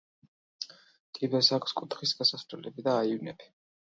კიბეს აქვს კუთხის გასასვლელები და აივნები.